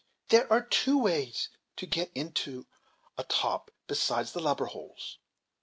There are two ways to get into a top, besides the lubber holes.